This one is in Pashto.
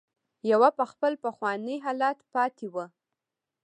يوه په خپل پخواني حالت پاتې وه.